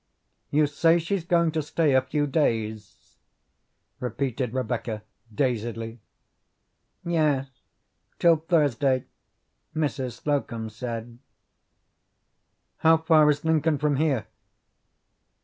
"You say she's going to stay a few days?" repeated Rebecca dazedly. "Yes; till Thursday, Mrs. Slocum said." "How far is Lincoln from here?"